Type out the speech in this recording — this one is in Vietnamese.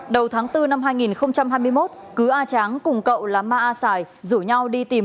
đầu tháng bốn năm hai nghìn hai mươi một cứ a tráng cùng cậu là ma a sài rủ nhau đi tìm phòng chống dịch covid một mươi chín